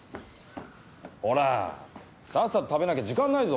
ほらさっさと食べなきゃ時間ないぞ。